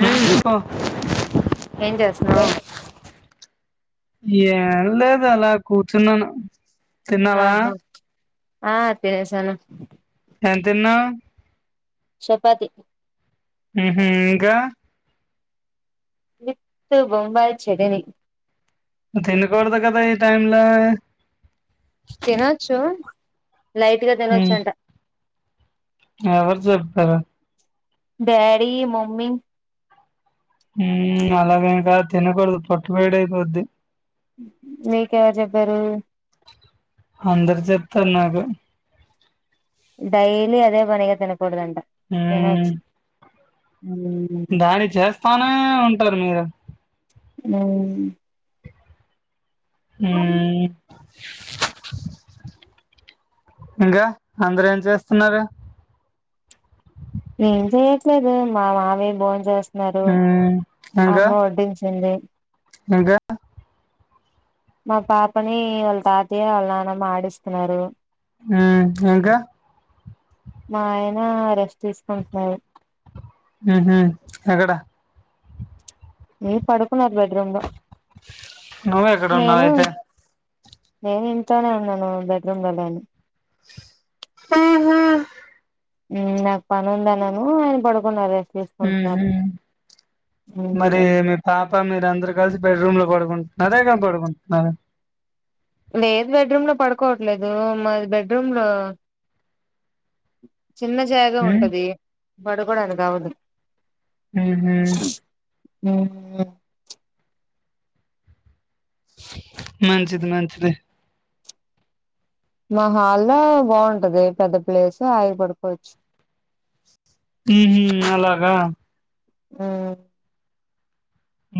హ్మ్ ఎందుకో ఏం చేస్తున్నావ్ ఏం లేదు అలా కూర్చున్నాను తిన్నావా ఆహా ఆ తినేసాను ఏం తిన్నావ్ చపాతి ఉహు ఇంకా వితు బొంబాయి చెటిని తినకూడదు కద ఈ టైమ్ లో తినొచ్చు లైట్గా తినొచ్చు ఉమ్ అంట ఎవరు చెబరు డాడీ మమ్మీ మ్ అలాగే ఇంకా తినకూడదు పొట్టు పేడి అయిపోద్ది మీకు ఎవరు చెబరు అందరు చెప్తరు నాకు డెైలీ అదే పనిగా తినకూడదంట తినోచ్చు దాడి చేస్తానే ఉంటారు మీరు మ్ మ్ ఇంకా అందరు ఏం చేస్తున్నారు ఏం చెయట్లేదె మా మావయ్య బోంచేస్త నరు ఉమ్ ఇంకా అమ్మ వడ్డించింది ఇంకా మా పాపని వాళ్ళ తాతయ్య వాళ్ల నానమ్మ ఆడిస్తున్నారు మ్ ఇంకా మా ఆయన రెస్ట్ తీసుకుంటున్నారు మ్ హ్మ్ ఎక్కడా మీ పడుకున్నారు బెడ్రూమ్ లో నువ్ ఎక్కడ ఉన్నావ్ నేను ఐతే నేను ఇంట్లోనే ఉన్నాను బెడ్రూమ్ లో లేను అ నాకు పని ఉందన్నాను ఆయన పడుకున్నారు మ్ తీసుకుంటున్నారు హ్మ్ మరి మీ పాప పా మీరు అందరు కలిసి బెడ్రూమ్ లో పడుకుంటున్నారా ఎక్కడ పడుకుంటున్నారు లేదు బెడ్రూమ్ లో పడుకోవట్లేదు మాది బెడ్రూమ్ లో చిన్న జాగ ఉమ్ ఉంటది పడుకోడానికి అవ్వదు మ్ హ్మ్ మ్ మంచిది మంచిది మా హాల్ల్లో బాగుంటది పెద్ద ప్లేసు హాయిగ పడుకోవచ్చు మ్ హ్మ్ అలాగా మ్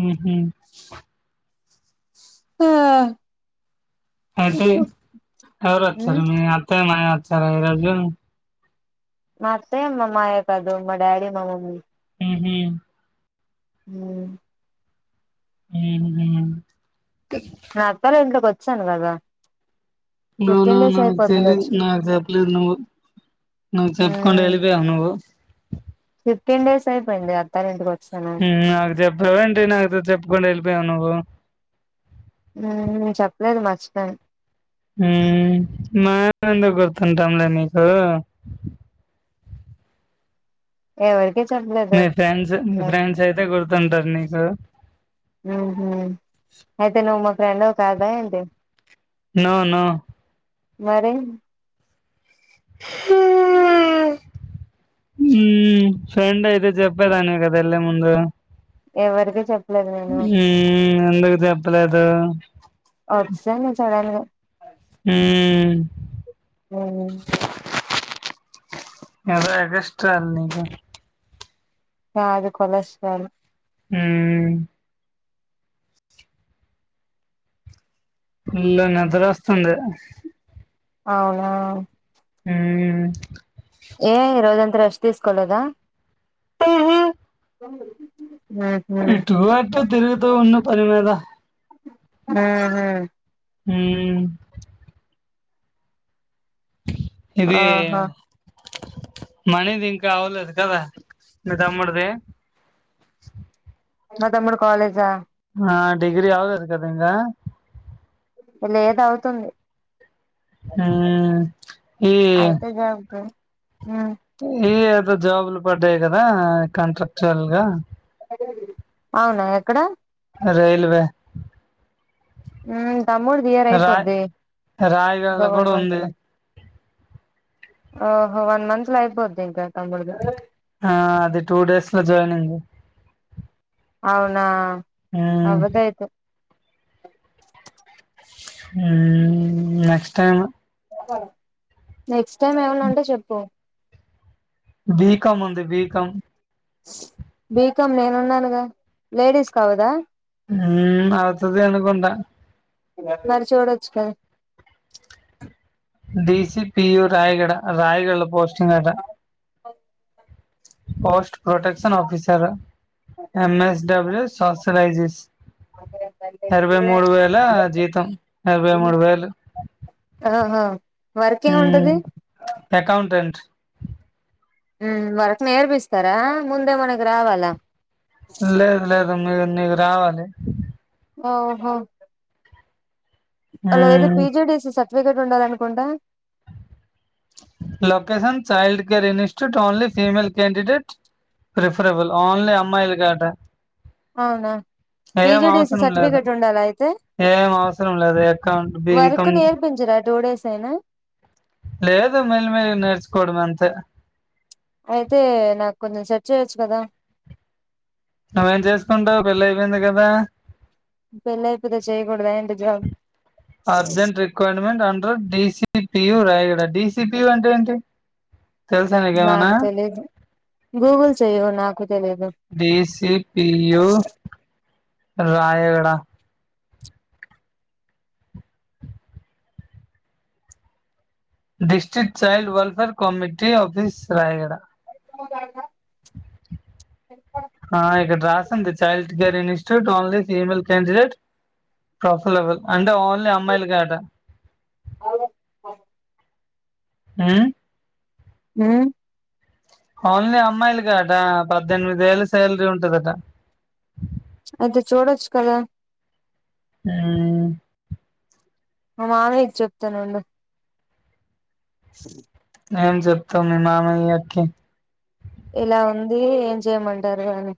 మ్ హ్మ్ ఆ అయితే ఎవరు వచ్చారు మీ అత్తయ మాయా వచ్చార ఈ రోజు మా అత్తయ్య మా మాయా కాదు మా డాడి మా మమ్మీ మ్ హ్మ్ మ్ మ్ మ్ నా అత్తాల ఇంట్లోకి వచ్చాను కదా నో నో ఫిఫ్టీన్ డేస్ నాకు అయిపోతుంది తెలీదు వచ్చి నాకు చెప్పలేదు నువ్వు నాకు చెప్పకుండా వెళ్లిపోయావ్ నువ్వు ఫిఫ్టీన్డేస్ అయిపోయింది అత్తాలింటికో నాకు చెప్పావా ఏంటి నాతో చెప్పకుండా వెళిపోయావు నువ్వు మ్ చెప్పలేదు మరిచిపోయాను మ్ మా ఎందు గుర్తుంటాంలే మీకు ఎవ మీ ఫ్రెండ్స్ మీ ఫ్రెండ్స్ అయితే గుర్తుంటారు నీకు మ్ హ్మ్ అయితే నువ్ మా ఫ్రెండ్ వి కాదా ఏంటి నో నో మరి హ మ్ ఫ్రెండ్ అయితే చెప్పేదానివి కదా ఎల్లే ముందు ఎవరికి చెప్పలేదు నేను మ్మ్ ఎందుకు చెప్పలేదు ఒచ్సను సడన్ గా ఊ ఆ బాగా ఎగస్ట్రాలు నీకు బాగా కొలస్ట్రాలు ఊ ఊ ఫుల్లు నిద్ర వస్తుంది అవునా ఊ ఏ ఇరోజంత రెస్ట్ తీస్కోలదా మ్ హు ఇట్ర అటు తిరుగుతూ ఉన్న పని మీద ఉహు ఊ ఇది ఆహా మనీది ఇంకా అవలేదు కదా మీ తమ్ముడుది మత్తమ్ముడు కాలేజా ఆ డిగ్రి అవలేదు కదా ఇంక లేదవుతుంది ఊ ఈ అయితే జాబ్ మ్ ఇ ఏదో జాబులు పడ్డాయి కదా కాంట్రాక్టర్ గా అవునా ఎక్కడ రైల్వే ఊ తమ్ముడు ది ఈ ఇయర్ రాయ్ అయిపోద్ది రాయగడలో కూడా గవర్నమెంట్ ఉంది లో ఓహో వన్ మంత్ లో ఐపోది ఇంకా తమ్ముడిది ఆ అది టూ డేస్ లో జాయినింగ్ అవునా మ్మ్ అవదయితే ఊ నెక్స్ట్ టైము నెక్స్ట్ టైమ్ ఏమన్న ఉంటే చెప్పు బీకామ్ ఉంది బీకామ్ బీకామ్ నేనున్నానుగా లేడీస్ కవదా ఉ అవుతది అనుకొంట మరి చూడొచ్చు క డిసి పియు రయిగడ రయిగడలో పోస్టింగ్ అట post protection officer MS W సోషలైజీస్ ఇరవై మూడు వేల జీతం ఇరవై మూడు వేలు ఆహా వర్క్ ఎం మ్మ్ ఉంటది అకౌంటెంట్ ఊ వరకు నేర్పిస్తారా ముందే మనకు రావాలా తోమిదిన్ నీకు రావాలే ఓహో అలాగయ్తే పిజిడిసి సట్ వెకటి ఉండదనుకుంట location child care institute only female candidate refer ఇవ్వల్ ఓన్లీ అమ్మాయిలకాటా అవునా పిజిడిసి సర్టిఫికేట్ ఉండాలా అయితే ఏమౌస్రం లేదు యకౌంట్ బీకమ్ సేనా. లేదు మెల్ మెల్లిగ్ నేర్చుకోడమంతె. అయితే నాకు కొంచెం సర్చ్ చేయొచ్చు కదా నువ్వేం చేసుకుంటావు పెళ్లి అయిపోయింది కదా పెళ్లి ఐపోతే చేయ్యకూడదా ఏంటి job urgent requirement under DCPU రై ఇక్కడ డీసిపియ్యూ అంటె ఏంటి తెల్సా నీకేమన్న. నాకు తెలీదు గూగుల్ చెయ్యు నాకు తెలీదు DCPU Rayagada district child welfare committee office Rayagada [unintelligible] ఆ ఇక్కడ్ రాస్ తుంది child care institute only female candidate top level అంటె ఓన్లీ అమ్మాయ్ల్కే అట [inaudible] [unintelligible] ఊమ్. ఊమ్. ఓన్లీ అమ్మాయ్ల్కే అట పద్దెన్మేదేల్ల్ స్యాల్రీ ఉంటదట. ఐతె చూడొచ్చు కద. ఊమ్. మ మామయ్క్ చెప్తానుండు. ఏం జెప్తావ్ మి మామాయ్యకి ఇలా ఉందీ ఏం చెయ్మంటారు అని.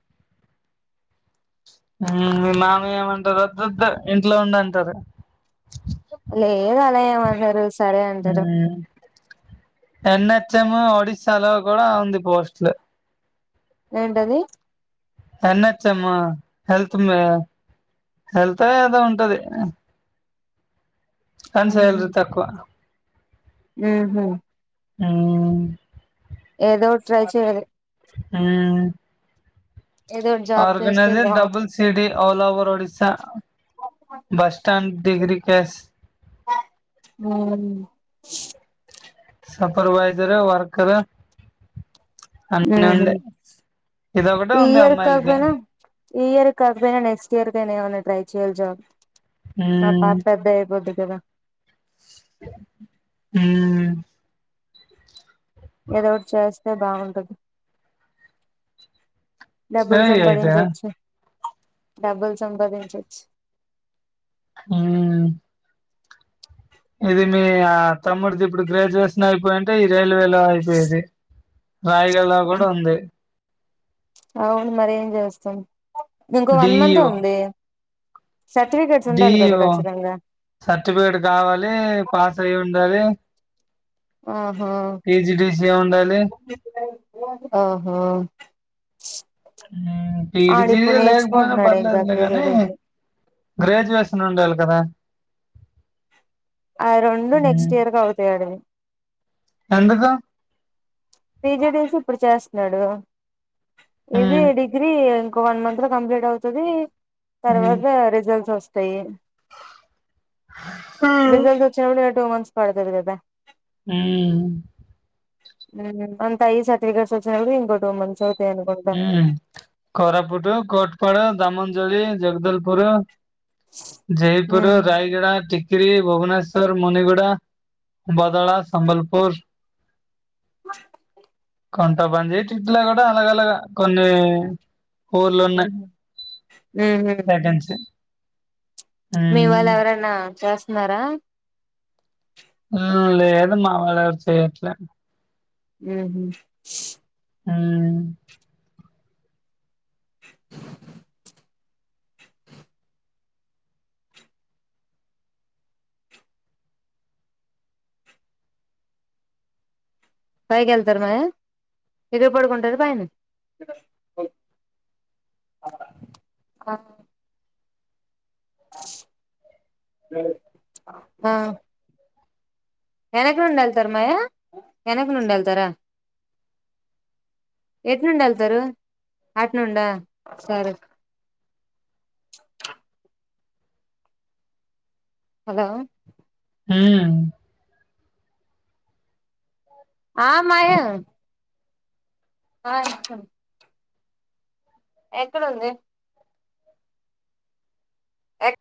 ఊమ్ మి మామయ్యేమంటడు వొద్దొద్దు ఇంట్లో ఉండంటరు. లేదలా ఏమనరు. సరే అంటారు ఊమ్ ఎన్నెత్ చ్చెమో ఒడిస్సాలో గుడా ఉంది పోస్ట్లు. ఏంటది. ఎన్నెచ్చెమ్ము హెల్త్ మే. హెల్తో ఏదొ ఉంటది. కాన్ స్యాల్రి తక్కువ. బహు. ఊమ్. ఏదో ట్రై చెయ్యాలి. ఊమ్. ఏదో ఒకటి జాబ్ చేస్తే ఆర్గనైజర్ డబుల్ బాగుంటది CD all over Odisha. Bus stand degree case మ్ సూపర్వైజరు వర్కరు. అన్నీ మ్మ్ హ్మ్ ఉండయ్ ఇదొగటే ఈ ఉంది ఇయర్ అమ్మాయ్లికి కాకపోయినా ఈ ఇయర్ కాకపొయ్నా నెక్స్టియర్కైన ఏమన్న ట్రై చెయ్యాల్ జాబ్ మా ఉమ్ పాప్ పెద్దైపోద్ది కదా. ఊమ్. ఏదో ఓట్ చేస్తే బాగుంటది. డబ్బుల్ చేయి అయితే సంపాదించచ్చు. డబ్బుల్ సంపాదించచ్చ్ ఊమ్. ఇది మీ ఆ తమ్ముడ్దిప్పుడు గ్రేజ్యువేషనైపోయింటె ఇద్ జైల్వేలో అయిపోయేది రాయిగల్లా కూడా ఉంది. అవును మరి ఏం చేస్తాం ఇంకో వన్ మంత్ ఉంది. సర్టిఫికేట్స్ ఉండాలి కదా డీయిఓ ఖచ్చితంగా సర్టిఫికేట్ కావాలి పాసై ఉండాలి. ఆ. పీజీడీసి ఏముండవలె ఆహా. ఉమ్ పీడిచీడి ఆడిప్పుడు లేకపోయినా నేర్చుకుంటున్నాడు ఇంకా పర్లేదులే కానీ పీజీడీసీ గ్రాజువేషన్ ఉండాలి కదా. అవి రెండు నెక్స్ట్ ఉమ్. ఇయర్ కి అవుతాయి ఆడివి ఎందుకు? పిజిడసి ఇప్పుడు చేస్తున్నాడు. ఇది ఉమ్, డిగ్రీ ఇంకో వన్ మంత్ లో కంప్లీట్ అవుతుది ఉమ్, తర్వాత రిజల్ట్స్ వస్తాయి. రిజల్ట్స్ వచ్చినప్పుడు ఇగ టూ మంత్స్ పడుతది కదా ఉమ్ మ్ అంతాయి సాటిఫికెట్స్ వోచివరకు ఇంకో ట్వ మంత్స్ అవుతాయి అనుకుంటా యా కరాపూట్ కట్పాడ దమంజోలి జగదల్ పుర జయపుర, రాయగడా తి త్రి భువనేశ్వర్, మునిగడ, భదళ, సభల్పూర్ ఆహ్ కొంతమంది ఇట్లా కూడా అలాగ అలాగా కొన్ని ఊర్లు ఉన్నాయి. ఉహు బెటేన్ష మీ వాళ్ళు ఎవరైనా చేస్తన్నారా? మ్ లేదు మా వాళ్ళు ఎవరు చేయట్లే ఉహుమ్ స్ ఆ పైకి ఏళ్తారు మాయా ఇక్కడ పడుకుంటారు పైన ఆ అ ఏ హా వెనకనుండి ఏలతార మాయా, వెనకనుండీళ్తారా? ఎట్ నుండి వెళ్తారు అటు నుండా సరే పద మ్ ఆ మాయ ఆ ఇతనాను ఎక్కడ ఉంది? ఎ